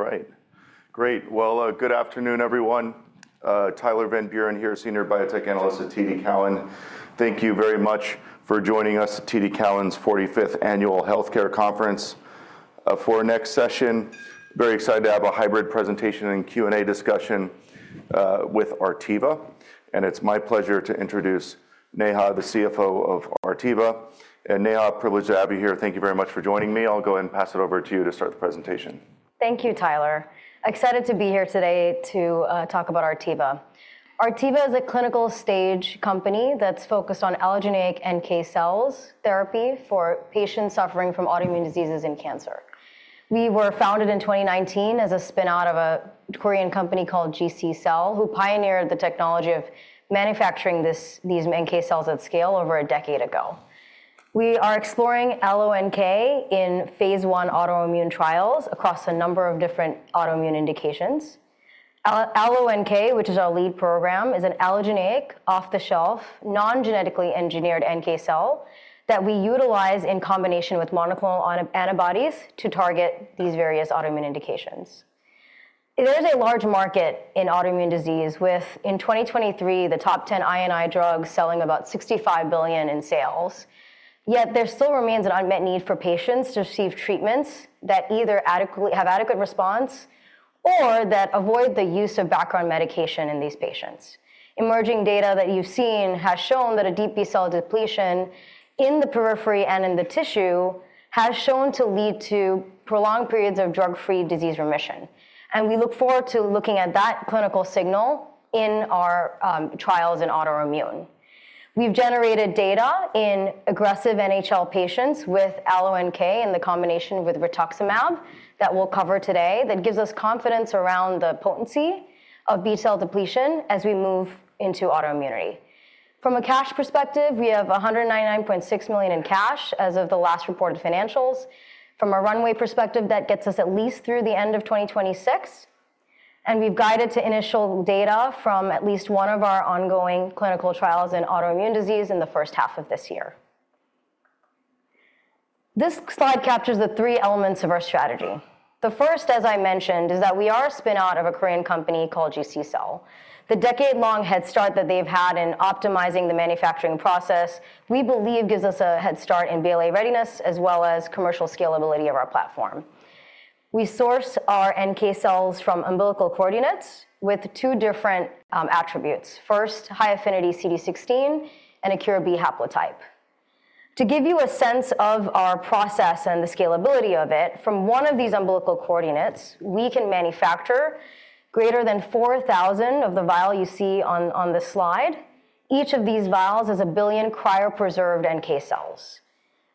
All right. Great. Good afternoon, everyone. Tyler Van Buren here, Senior Biotech Analyst at TD Cowen. Thank you very much for joining us at TD Cowen's 45th Annual Healthcare Conference for our next session. Very excited to have a hybrid presentation and Q&A discussion with Artiva. It is my pleasure to introduce Neha, the CFO of Artiva. Neha, privilege to have you here. Thank you very much for joining me. I will go ahead and pass it over to you to start the presentation. Thank you, Tyler. Excited to be here today to talk about Artiva. Artiva is a clinical-stage company that's focused on allogeneic NK cell therapy for patients suffering from autoimmune diseases and cancer. We were founded in 2019 as a spinout of a Korean company called GC Cell, who pioneered the technology of manufacturing these NK cells at scale over a decade ago. We are exploring AlloNK in Phase I autoimmune trials across a number of different autoimmune indications. AlloNK, which is our lead program, is an allogeneic, off-the-shelf, non-genetically engineered NK cell that we utilize in combination with monoclonal antibodies to target these various autoimmune indications. There is a large market in autoimmune disease, with, in 2023, the top 10 IMiD drugs selling about $65 billion in sales. Yet there still remains an unmet need for patients to receive treatments that either have adequate response or that avoid the use of background medication in these patients. Emerging data that you've seen has shown that a deep B cell depletion in the periphery and in the tissue has shown to lead to prolonged periods of drug-free disease remission. We look forward to looking at that clinical signal in our trials in autoimmune. We've generated data in aggressive NHL patients with AlloNK in the combination with rituximab that we'll cover today that gives us confidence around the potency of B cell depletion as we move into autoimmunity. From a cash perspective, we have $199.6 million in cash as of the last reported financials. From a runway perspective, that gets us at least through the end of 2026. We have guided to initial data from at least one of our ongoing clinical trials in autoimmune disease in the first half of this year. This slide captures the three elements of our strategy. The first, as I mentioned, is that we are a spinout of a Korean company called GC Cell. The decade-long head start that they have had in optimizing the manufacturing process, we believe, gives us a head start in BLA readiness as well as commercial scalability of our platform. We source our NK cells from umbilical cord blood with two different attributes. First, high affinity CD16 and a KIR-B haplotype. To give you a sense of our process and the scalability of it, from one of these umbilical cord blood units, we can manufacture greater than 4,000 of the vial you see on the slide. Each of these vials is a billion cryopreserved NK cells.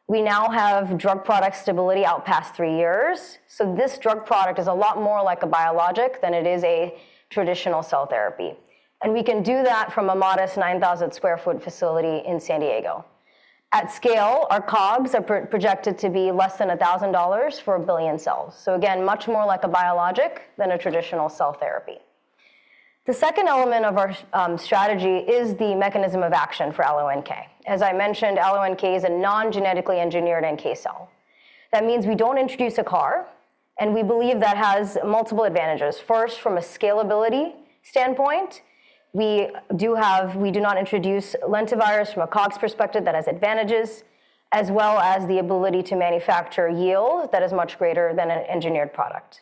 We now have drug product stability out past three years. This drug product is a lot more like a biologic than it is a traditional cell therapy. We can do that from a modest 9,000 sq ft facility in San Diego. At scale, our COGS are projected to be less than $1,000 for a billion cells. Much more like a biologic than a traditional cell therapy. The second element of our strategy is the mechanism of action for AlloNK. As I mentioned, AlloNK is a non-genetically engineered NK cell. That means we do not introduce a CAR. We believe that has multiple advantages. First, from a scalability standpoint, we do not introduce lentivirus. From a COGS perspective that has advantages, as well as the ability to manufacture yield that is much greater than an engineered product.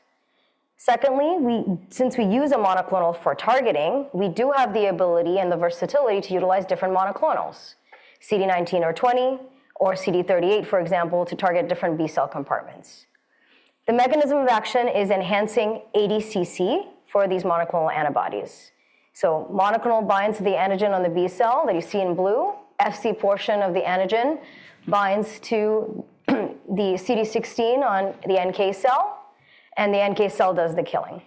Secondly, since we use a monoclonal for targeting, we do have the ability and the versatility to utilize different monoclonals, CD19 or 20, or CD38, for example, to target different B cell compartments. The mechanism of action is enhancing ADCC for these monoclonal antibodies. Monoclonal binds to the antigen on the B cell that you see in blue. Fc portion of the antigen binds to the CD16 on the NK cell. The NK cell does the killing.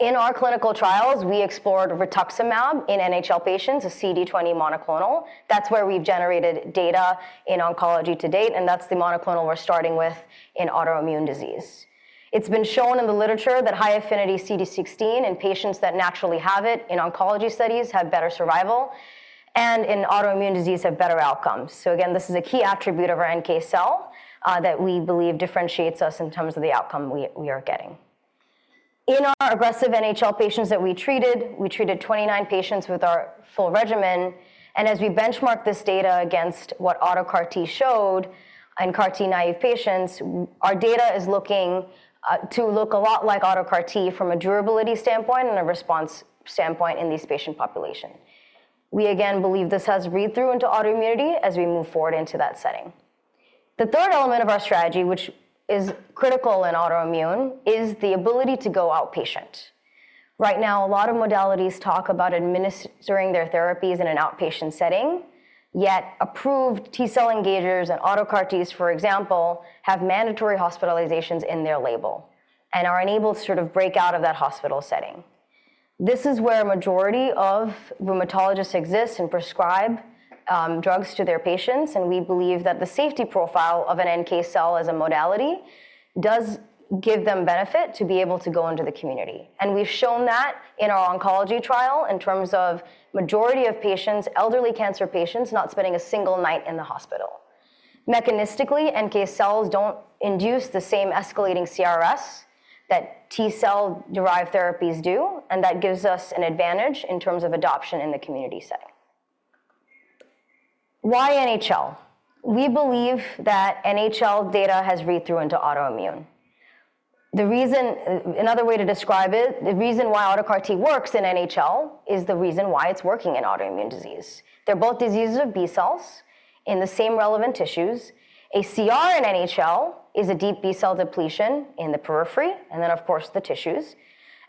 In our clinical trials, we explored rituximab in NHL patients, a CD20 monoclonal. That's where we've generated data in oncology to date. That's the monoclonal we're starting with in autoimmune disease. It's been shown in the literature that high affinity CD16 in patients that naturally have it in oncology studies have better survival and in autoimmune disease have better outcomes. Again, this is a key attribute of our NK cell that we believe differentiates us in terms of the outcome we are getting. In our aggressive NHL patients that we treated, we treated 29 patients with our full regimen. As we benchmark this data against what auto CAR T showed in CAR T naive patients, our data is looking to look a lot like auto CAR T from a durability standpoint and a response standpoint in these patient populations. We again believe this has read-through into autoimmunity as we move forward into that setting. The third element of our strategy, which is critical in autoimmune, is the ability to go outpatient. Right now, a lot of modalities talk about administering their therapies in an outpatient setting. Yet approved T cell engagers and auto CAR Ts, for example, have mandatory hospitalizations in their label and are enabled to sort of break out of that hospital setting. This is where a majority of rheumatologists exist and prescribe drugs to their patients. We believe that the safety profile of an NK cell as a modality does give them benefit to be able to go into the community. We have shown that in our oncology trial in terms of majority of patients, elderly cancer patients, not spending a single night in the hospital. Mechanistically, NK cells do not induce the same escalating CRS that T cell derived therapies do. That gives us an advantage in terms of adoption in the community setting. Why NHL? We believe that NHL data has read-through into autoimmune. Another way to describe it, the reason why auto CAR T works in NHL is the reason why it's working in autoimmune disease. They're both diseases of B cells in the same relevant tissues. A CR in NHL is a deep B cell depletion in the periphery and then, of course, the tissues.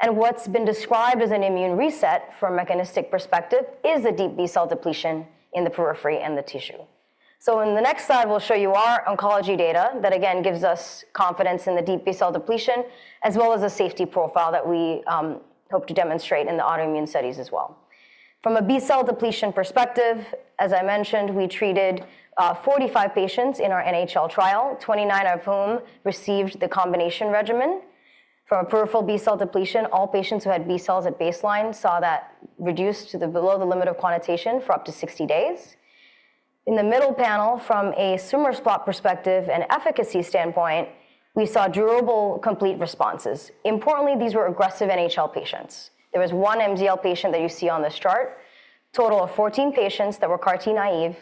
What's been described as an immune reset from a mechanistic perspective is a deep B cell depletion in the periphery and the tissue. In the next slide, we'll show you our oncology data that again gives us confidence in the deep B-cell depletion, as well as a safety profile that we hope to demonstrate in the autoimmune studies as well. From a B cell depletion perspective, as I mentioned, we treated 45 patients in our NHL trial, 29 of whom received the combination regimen. From a peripheral B-cell depletion, all patients who had B-cells at baseline saw that reduced to below the limit of quantitation for up to 60 days. In the middle panel, from a swimmer's plot perspective and efficacy standpoint, we saw durable complete responses. Importantly, these were aggressive NHL patients. There was one MCL patient that you see on this chart, a total of 14 patients that were CAR T naive,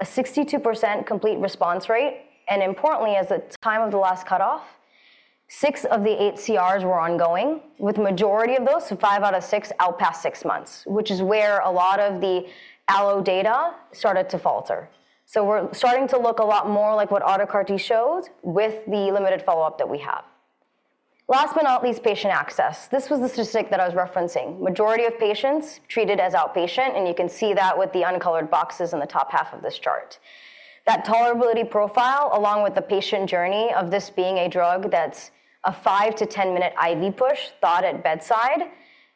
a 62% complete response rate. Importantly, as the time of the last cutoff, six of the eight CRs were ongoing, with the majority of those, five out of six, out past six months, which is where a lot of the allo data started to falter. We are starting to look a lot more like what auto CAR T showed with the limited follow-up that we have. Last but not least, patient access. This was the statistic that I was referencing. Majority of patients treated as outpatient. You can see that with the uncolored boxes in the top half of this chart. That tolerability profile, along with the patient journey of this being a drug that's a 5-10 minute IV push, thawed at bedside,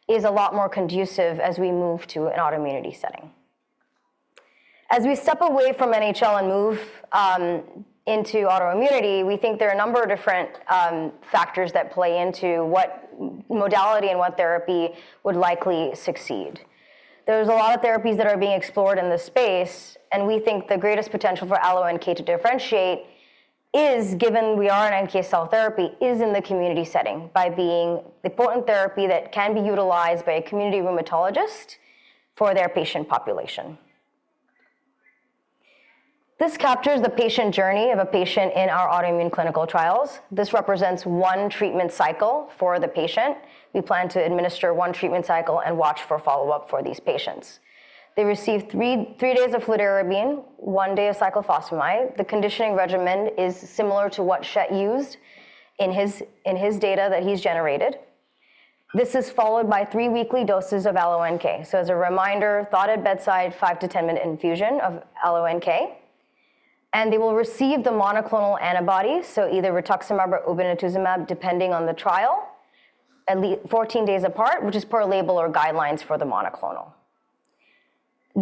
is a lot more conducive as we move to an autoimmunity setting. As we step away from NHL and move into autoimmunity, we think there are a number of different factors that play into what modality and what therapy would likely succeed. There are a lot of therapies that are being explored in this space. We think the greatest potential for AlloNK to differentiate, given we are an NK cell therapy, is in the community setting by being the important therapy that can be utilized by a community rheumatologist for their patient population. This captures the patient journey of a patient in our autoimmune clinical trials. This represents one treatment cycle for the patient. We plan to administer one treatment cycle and watch for follow-up for these patients. They receive three days of fludarabine, one day of cyclophosphamide. The conditioning regimen is similar to what Schett used in his data that he's generated. This is followed by three weekly doses of AlloNK. As a reminder, thawed at bedside, 5-10 minute infusion of AlloNK. They will receive the monoclonal antibody, so either rituximab or obinutuzumab, depending on the trial, at least 14 days apart, which is per label or guidelines for the monoclonal.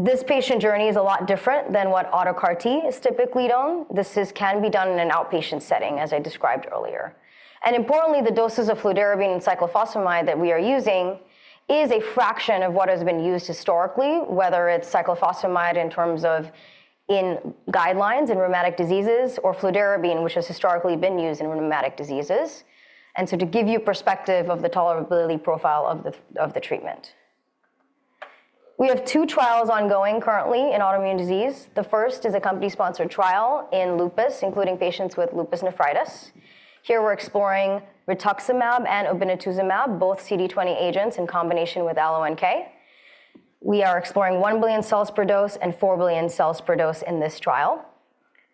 This patient journey is a lot different than what auto CAR T is typically done. This can be done in an outpatient setting, as I described earlier. Importantly, the doses of fludarabine and cyclophosphamide that we are using is a fraction of what has been used historically, whether it's cyclophosphamide in terms of guidelines in rheumatic diseases or fludarabine, which has historically been used in rheumatic diseases. To give you perspective of the tolerability profile of the treatment, we have two trials ongoing currently in autoimmune disease. The first is a company-sponsored trial in lupus, including patients with lupus nephritis. Here we're exploring rituximab and obinutuzumab, both CD20 agents in combination with AlloNK. We are exploring 1 billion cells per dose and 4 billion cells per dose in this trial.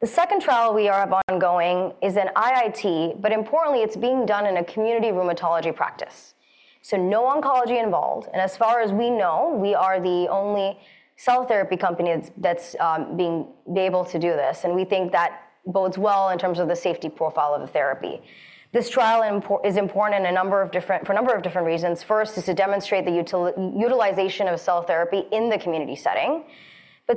The second trial we have ongoing is an IIT, but importantly, it's being done in a community rheumatology practice. No oncology involved. As far as we know, we are the only cell therapy company that's being able to do this. We think that bodes well in terms of the safety profile of the therapy. This trial is important for a number of different reasons. First, it is to demonstrate the utilization of cell therapy in the community setting.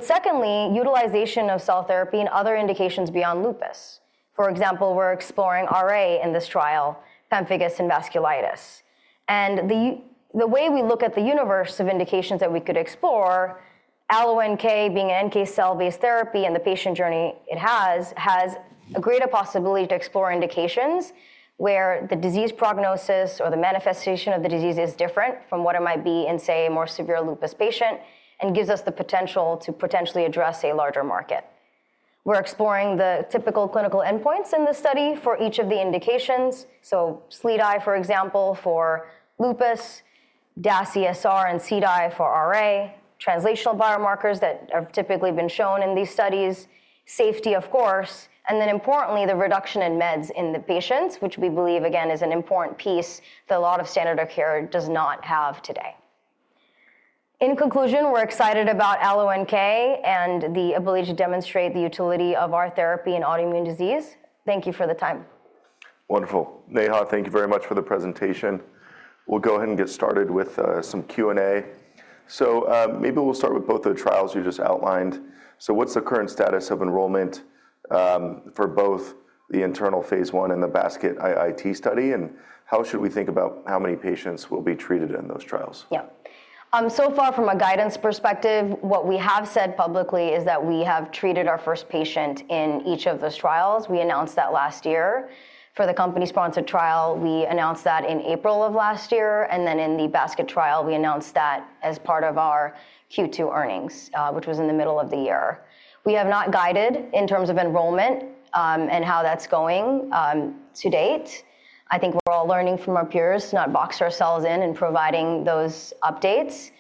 Secondly, utilization of cell therapy in other indications beyond lupus. For example, we are exploring RA in this trial, pemphigus, and vasculitis. The way we look at the universe of indications that we could explore, AlloNK being an NK cell-based therapy and the patient journey it has, has a greater possibility to explore indications where the disease prognosis or the manifestation of the disease is different from what it might be in, say, a more severe lupus patient and gives us the potential to potentially address a larger market. We are exploring the typical clinical endpoints in this study for each of the indications. SLEDAI, for example, for lupus, DAS-ESR and SLEDAI for RA, translational biomarkers that have typically been shown in these studies, safety, of course. Importantly, the reduction in meds in the patients, which we believe, again, is an important piece that a lot of standard of care does not have today. In conclusion, we're excited about AlloNK and the ability to demonstrate the utility of our therapy in autoimmune disease. Thank you for the time. Wonderful. Neha, thank you very much for the presentation. We'll go ahead and get started with some Q&A. Maybe we'll start with both the trials you just outlined. What's the current status of enrollment for both the internal phase I and the basket IIT study? How should we think about how many patients will be treated in those trials? Yeah. From a guidance perspective, what we have said publicly is that we have treated our first patient in each of those trials. We announced that last year. For the company-sponsored trial, we announced that in April of last year. In the basket trial, we announced that as part of our Q2 earnings, which was in the middle of the year. We have not guided in terms of enrollment and how that's going to date. I think we're all learning from our peers to not box ourselves in and providing those updates.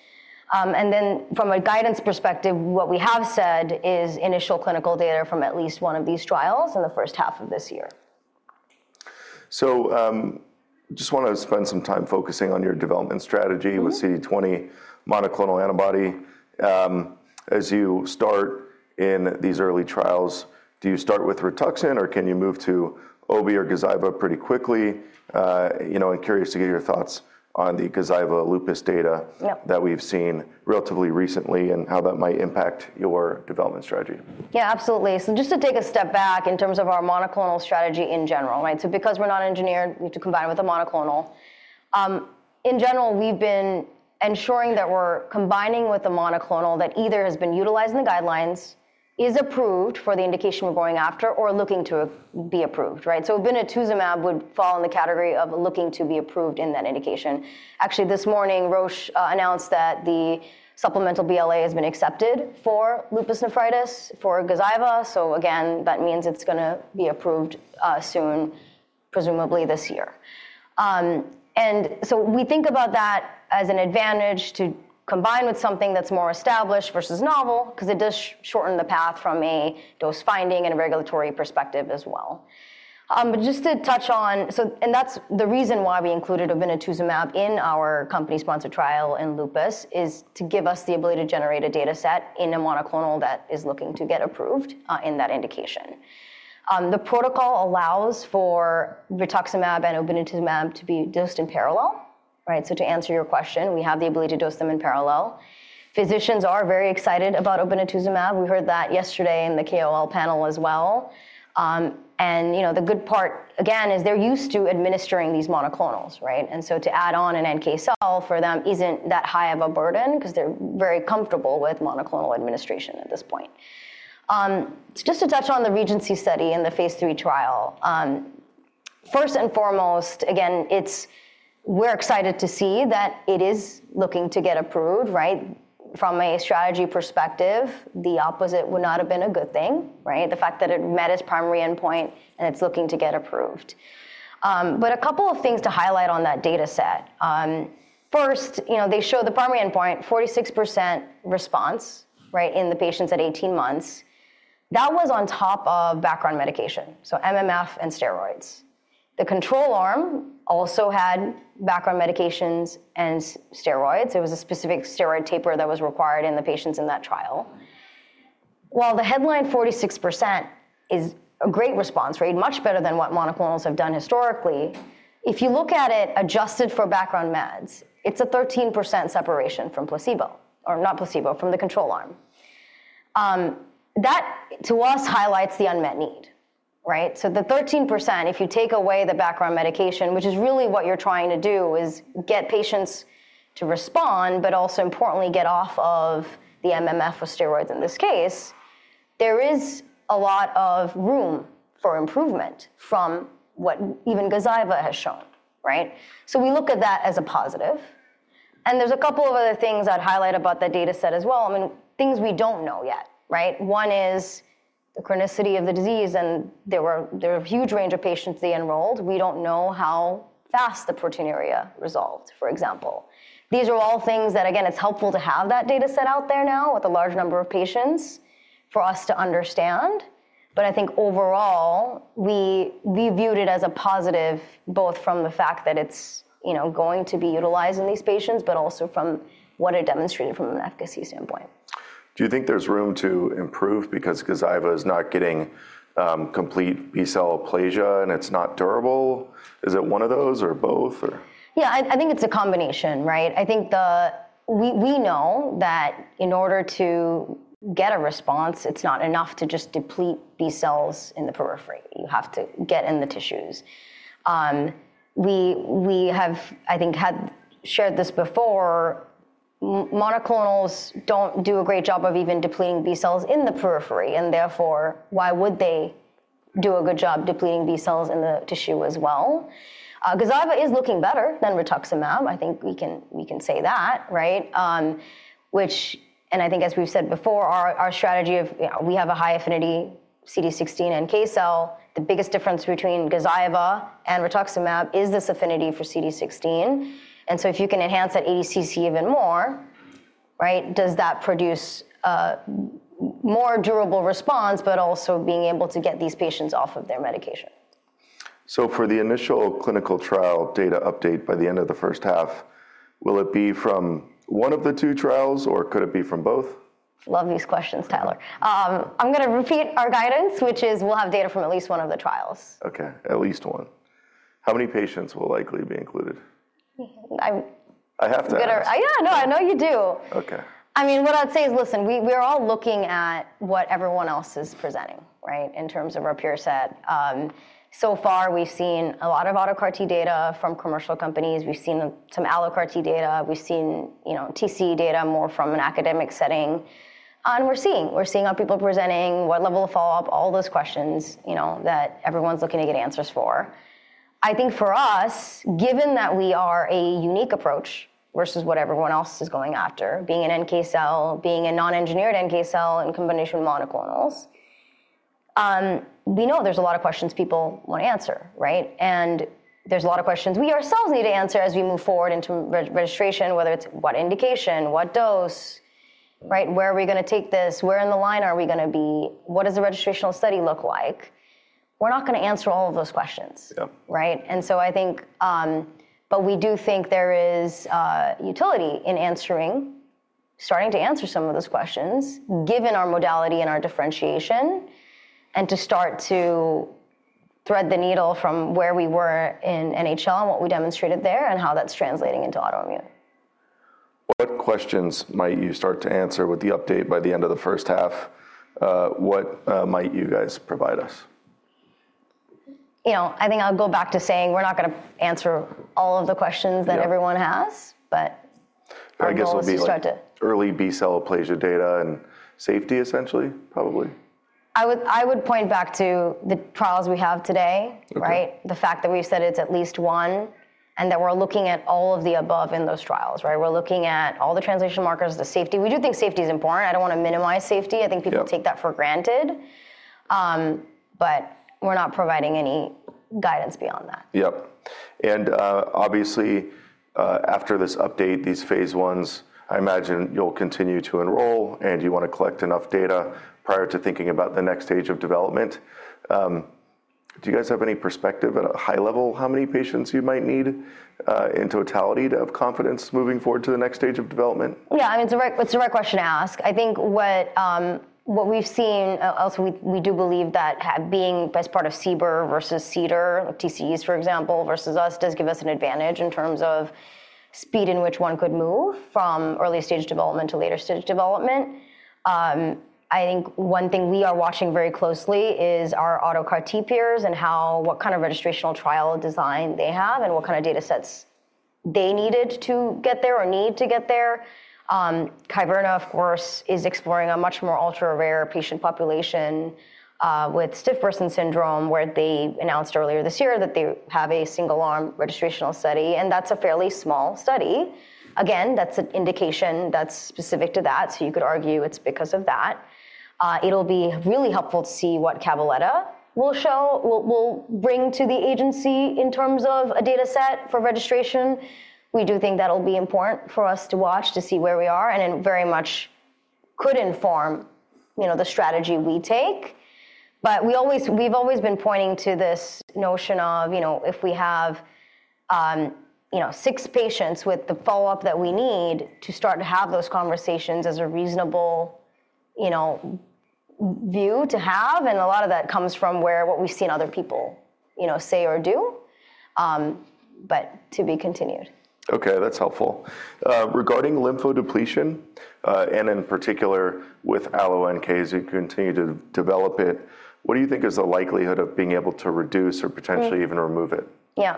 From a guidance perspective, what we have said is initial clinical data from at least one of these trials in the first half of this year. So, I just want to spend some time focusing on your development strategy with CD20 monoclonal antibody. As you start in these early trials, do you start with rituximab or can you move to obinutuzumab or Gazyva pretty quickly? I'm curious to get your thoughts on the Gazyva lupus data that we've seen relatively recently and how that might impact your development strategy. Yeah, absolutely. Just to take a step back in terms of our monoclonal strategy in general, right? Because we're not engineered, we need to combine with the monoclonal. In general, we've been ensuring that we're combining with the monoclonal that either has been utilized in the guidelines, is approved for the indication we're going after, or looking to be approved, right? Obinutuzumab would fall in the category of looking to be approved in that indication. Actually, this morning, Roche announced that the supplemental BLA has been accepted for lupus nephritis for Gazyva. That means it's going to be approved soon, presumably this year. We think about that as an advantage to combine with something that's more established versus novel because it does shorten the path from a dose finding and a regulatory perspective as well. Just to touch on, that's the reason why we included obinutuzumab in our company-sponsored trial in lupus, to give us the ability to generate a data set in a monoclonal that is looking to get approved in that indication. The protocol allows for rituximab and obinutuzumab to be dosed in parallel, right? To answer your question, we have the ability to dose them in parallel. Physicians are very excited about obinutuzumab. We heard that yesterday in the KOL panel as well. The good part, again, is they're used to administering these monoclonals, right? To add on an NK cell for them is not that high of a burden because they are very comfortable with monoclonal administration at this point. Just to touch on the REGENCY study in the Phase III trial. First and foremost, again, we are excited to see that it is looking to get approved, right? From a strategy perspective, the opposite would not have been a good thing, right? The fact that it met its primary endpoint and it is looking to get approved. A couple of things to highlight on that data set. First, they show the primary endpoint, 46% response, in the patients at 18 months. That was on top of background medication, so MMF and steroids. The control arm also had background medications and steroids. It was a specific steroid taper that was required in the patients in that trial. While the headline 46% is a great response, right, much better than what monoclonals have done historically, if you look at it adjusted for background meds, it's a 13% separation from control arm. That, to us, highlights the unmet need, right? The 13%, if you take away the background medication, which is really what you're trying to do, is get patients to respond, but also importantly, get off of the MMF with steroids in this case, there is a lot of room for improvement from what even Gazyva has shown, right? We look at that as a positive. There are a couple of other things I'd highlight about that data set as well. I mean, things we don't know yet, right? One is the chronicity of the disease. There are a huge range of patients they enrolled. We don't know how fast the proteinuria resolved, for example. These are all things that, again, it's helpful to have that data set out there now with a large number of patients for us to understand. I think overall, we viewed it as a positive, both from the fact that it's going to be utilized in these patients, but also from what it demonstrated from an efficacy standpoint. Do you think there's room to improve because Gazyva is not getting complete B-cell aplasia and it's not durable? Is it one of those or both? Yeah, I think it's a combination, right? I think we know that in order to get a response, it's not enough to just deplete B cells in the periphery. You have to get in the tissues. We have, I think, shared this before. Monoclonals do not do a great job of even depleting B cells in the periphery. Therefore, why would they do a good job depleting B cells in the tissue as well? Gazyva is looking better than rituximab. I think we can say that, right? I think, as we have said before, our strategy of we have a high affinity CD16 NK cell. The biggest difference between Gazyva and rituximab is this affinity for CD16. If you can enhance that ADCC even more, right, does that produce a more durable response, but also being able to get these patients off of their medication. For the initial clinical trial data update by the end of the first half, will it be from one of the two trials, or could it be from both? Love these questions, Tyler. I'm going to repeat our guidance, which is we'll have data from at least one of the trials. OK, at least one. How many patients will likely be included? I have to ask. Yeah, no, I know you do. OK. I mean, what I'd say is, listen, we are all looking at what everyone else is presenting, right, in terms of our peer set. So far, we've seen a lot of auto CAR T data from commercial companies. We've seen some allo CAR T data. We've seen TCE data more from an academic setting. We're seeing how people are presenting, what level of follow-up, all those questions that everyone's looking to get answers for. I think for us, given that we are a unique approach versus what everyone else is going after, being an NK cell, being a non-engineered NK cell in combination with monoclonals, we know there's a lot of questions people want to answer, right? There's a lot of questions we ourselves need to answer as we move forward into registration, whether it's what indication, what dose, right? Where are we going to take this? Where in the line are we going to be? What does the registrational study look like? We're not going to answer all of those questions, right? I think we do think there is utility in answering, starting to answer some of those questions, given our modality and our differentiation, and to start to thread the needle from where we were in NHL and what we demonstrated there and how that's translating into autoimmune. What questions might you start to answer with the update by the end of the first half? What might you guys provide us? I think I'll go back to saying we're not going to answer all of the questions that everyone has, but I guess we'll start to early B-cell aplasia data and safety, essentially, probably? I would point back to the trials we have today, right? The fact that we've said it's at least one and that we're looking at all of the above in those trials, right? We're looking at all the translational markers, the safety. We do think safety is important. I don't want to minimize safety. I think people take that for granted. We're not providing any guidance beyond that. Yep. Obviously, after this update, these phase ones, I imagine you'll continue to enroll and you want to collect enough data prior to thinking about the next stage of development. Do you guys have any perspective at a high level how many patients you might need in totality of confidence moving forward to the next stage of development? Yeah, I mean, it's a direct question to ask. I think what we've seen, also, we do believe that being best part of CBER versus CDER, TCEs, for example, versus us does give us an advantage in terms of speed in which one could move from early stage development to later stage development. I think one thing we are watching very closely is our auto CAR T peers and what kind of registrational trial design they have and what kind of data sets they needed to get there or need to get there. Kyverna, of course, is exploring a much more ultra-rare patient population with stiff person syndrome where they announced earlier this year that they have a single-arm registrational study. That is a fairly small study. Again, that is an indication that is specific to that. You could argue it is because of that. It will be really helpful to see what Cabaletta will show, will bring to the agency in terms of a data set for registration. We do think that will be important for us to watch to see where we are and very much could inform the strategy we take. We have always been pointing to this notion of if we have six patients with the follow-up that we need to start to have those conversations as a reasonable view to have. A lot of that comes from what we have seen other people say or do, but to be continued. OK, that is helpful. Regarding lymphodepletion and in particular with AlloNKs to continue to develop it, what do you think is the likelihood of being able to reduce or potentially even remove it? Yeah.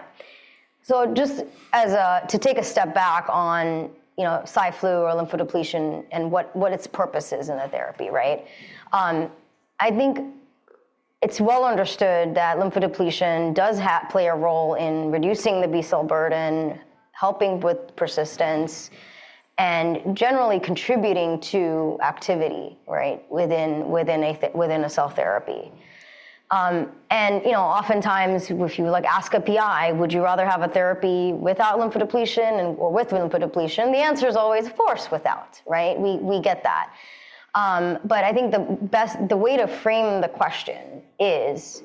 Just to take a step back on cyclo or lymphodepletion and what its purpose is in the therapy, right? I think it is well understood that lymphodepletion does play a role in reducing the B-cell burden, helping with persistence, and generally contributing to activity, right, within a cell therapy. Oftentimes, if you ask a PI, would you rather have a therapy without lymphodepletion or with lymphodepletion? The answer is always, of course, without, right? We get that. I think the way to frame the question is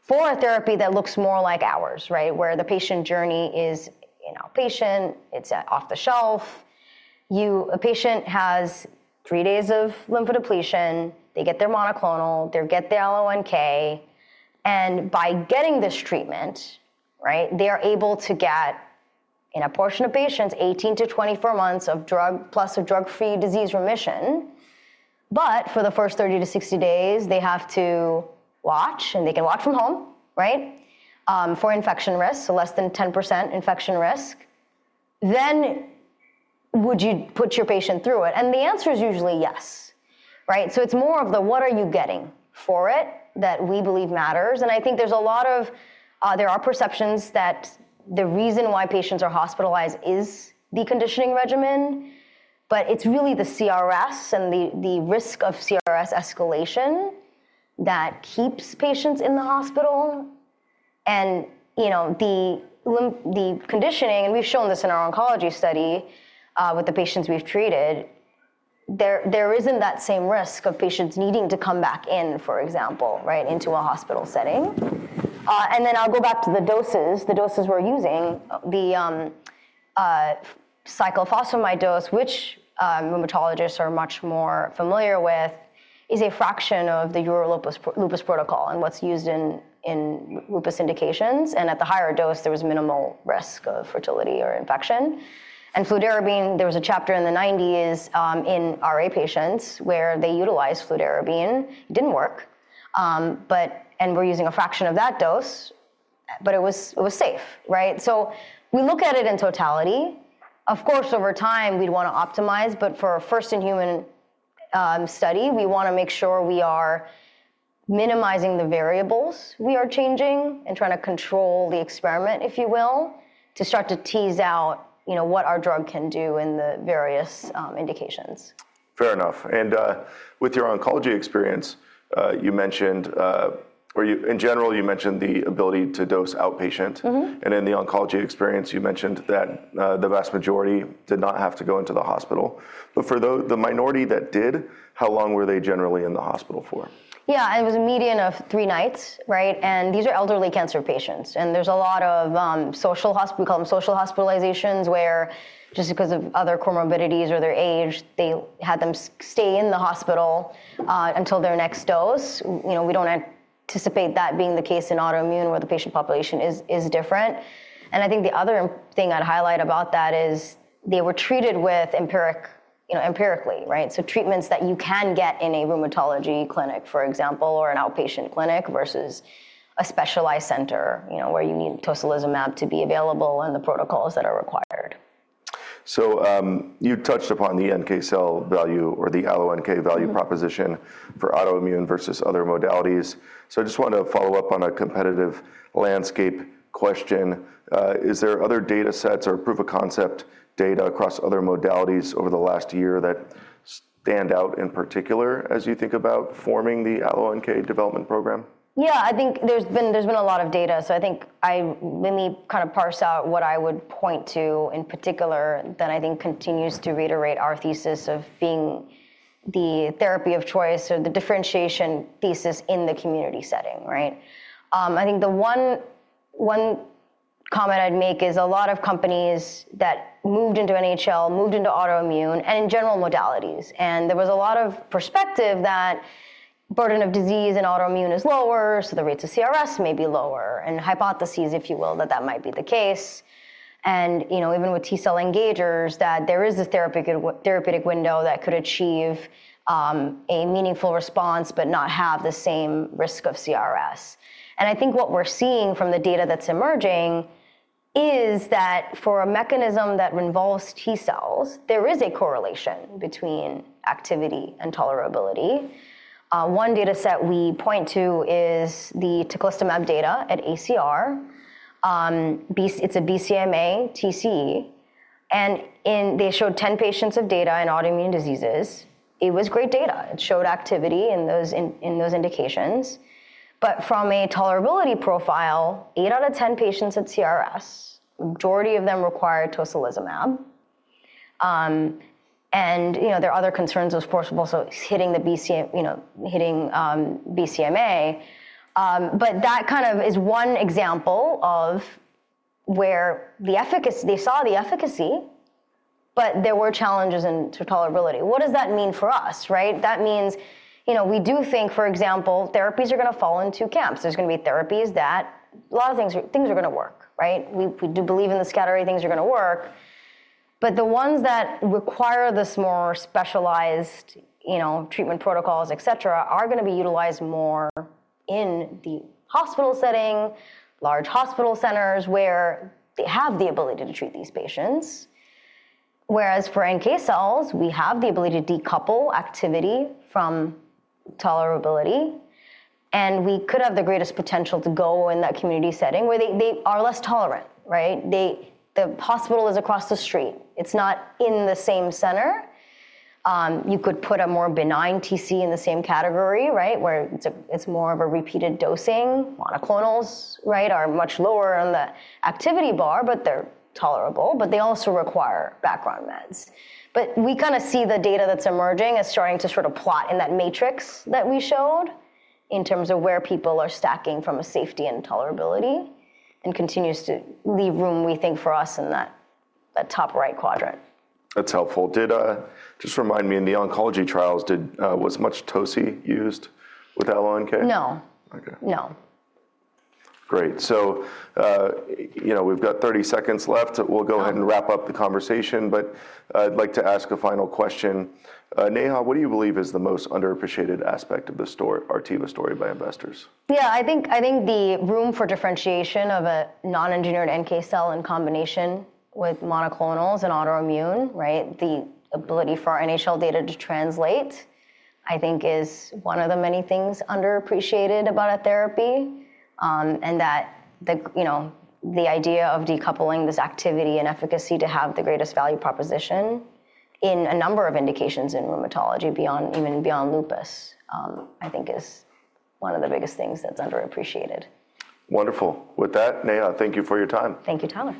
for a therapy that looks more like ours, right, where the patient journey is in outpatient, it's off the shelf. A patient has three days of lymphodepletion. They get their monoclonal. They get the AlloNK. By getting this treatment, right, they are able to get, in a portion of patients, 18-24 months of drug plus a drug-free disease remission. For the first 30-60 days, they have to watch, and they can watch from home, right, for infection risk, so less than 10% infection risk. Would you put your patient through it? The answer is usually yes, right! It is more of the what are you getting for it that we believe matters. I think there are perceptions that the reason why patients are hospitalized is the conditioning regimen. It is really the CRS and the risk of CRS escalation that keeps patients in the hospital. The conditioning, and we have shown this in our oncology study with the patients we have treated, there is not that same risk of patients needing to come back in, for example, into a hospital setting. I will go back to the doses, the doses we are using. The cyclophosphamide dose, which rheumatologists are much more familiar with, is a fraction of the Euro-Lupus protocol and what is used in lupus indications. At the higher dose, there was minimal risk of fertility or infection. Fludarabine, there was a chapter in the 1990s in RA patients where they utilized fludarabine. It didn't work. We're using a fraction of that dose, but it was safe, right? We look at it in totality. Of course, over time, we'd want to optimize. For a first-in-human study, we want to make sure we are minimizing the variables we are changing and trying to control the experiment, if you will, to start to tease out what our drug can do in the various indications. Fair enough. With your oncology experience, you mentioned, or in general, you mentioned the ability to dose outpatient. In the oncology experience, you mentioned that the vast majority did not have to go into the hospital. For the minority that did, how long were they generally in the hospital for? It was a median of three nights, right! These are elderly cancer patients. There is a lot of social, we call them social hospitalizations, where just because of other comorbidities or their age, they had them stay in the hospital until their next dose. We do not anticipate that being the case in autoimmune where the patient population is different. I think the other thing I would highlight about that is they were treated empirically, right? Treatments that you can get in a rheumatology clinic, for example, or an outpatient clinic versus a specialized center where you need tocilizumab to be available and the protocols that are required. You touched upon the NK cell value or the AlloNK value proposition for autoimmune versus other modalities. I just want to follow up on a competitive landscape question. Is there other data sets or proof of concept data across other modalities over the last year that stand out in particular as you think about forming the AlloNK development program? Yeah, I think there's been a lot of data. I think I mainly kind of parse out what I would point to in particular that I think continues to reiterate our thesis of being the therapy of choice or the differentiation thesis in the community setting, right? I think the one comment I'd make is a lot of companies that moved into NHL, moved into autoimmune and in general modalities. There was a lot of perspective that burden of disease in autoimmune is lower, so the rates of CRS may be lower and hypotheses, if you will, that that might be the case. Even with T-cell engagers, there is a therapeutic window that could achieve a meaningful response but not have the same risk of CRS. I think what we're seeing from the data that's emerging is that for a mechanism that involves T-cells, there is a correlation between activity and tolerability. One data set we point to is the teclistamab data at ACR. It's a BCMA TCE. They showed 10 patients of data in autoimmune diseases. It was great data. It showed activity in those indications. From a tolerability profile, 8 out of 10 patients had CRS, majority of them required tocilizumab. There are other concerns, of course, also hitting the BCMA. That is one example of where they saw the efficacy, but there were challenges in tolerability. What does that mean for us, right? That means we do think, for example, therapies are going to fall in two camps. There's going to be therapies that a lot of things are going to work, right? We do believe in the scattering things are going to work. But the ones that require this more specialized treatment protocols, et cetera, are going to be utilized more in the hospital setting, large hospital centers where they have the ability to treat these patients. Whereas for NK cells, we have the ability to decouple activity from tolerability. And we could have the greatest potential to go in that community setting where they are less tolerant, right? The hospital is across the street. It's not in the same center. You could put a more benign TC in the same category, right, where it's more of a repeated dosing. Monoclonals, right, are much lower on the activity bar, but they're tolerable. They also require background meds. We kind of see the data that's emerging as starting to sort of plot in that matrix that we showed in terms of where people are stacking from a safety and tolerability and continues to leave room, we think, for us in that top right quadrant. That's helpful. Just remind me, in the oncology trials, was much Toci used with AlloNK? No. No. Great. We've got 30 seconds left. We'll go ahead and wrap up the conversation. I'd like to ask a final question. Neha, what do you believe is the most underappreciated aspect of the Artiva story by investors? Yeah, I think the room for differentiation of a non-engineered NK cell in combination with monoclonals and autoimmune, right, the ability for our NHL data to translate, I think, is one of the many things underappreciated about a therapy. The idea of decoupling this activity and efficacy to have the greatest value proposition in a number of indications in rheumatology even beyond lupus, I think, is one of the biggest things that's underappreciated. Wonderful. With that, Neha, thank you for your time. Thank you for having me.